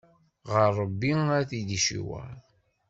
Ɣer Ṛebbi ad t-id-iciweṛ.